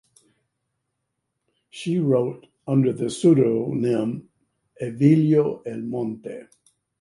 She wrote under the pseudonym "Evelio El Monte".